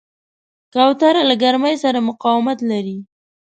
کوتره له ګرمۍ سره مقاومت لري.